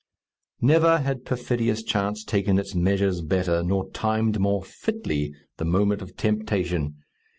Never had perfidious chance taken its measures better, nor timed more fitly the moment of temptation.